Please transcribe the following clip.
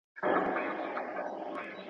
مونږ باید تاریخ مطالعه کړو.